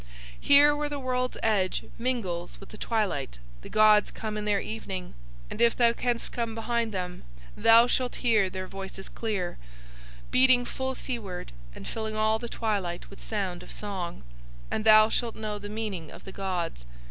Here where the world's edge mingles with the twilight the gods come in the evening, and if thou canst come behind Them thou shalt hear Their voices clear, beating full seaward and filling all the twilight with sound of song, and thou shalt know the meaning of the gods.